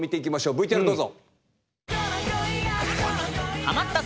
ＶＴＲどうぞ。